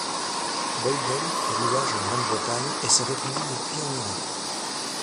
Boyden pour usage en Grande-Bretagne et s'est répandu depuis en Europe.